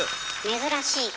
珍しい。